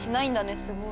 すごい。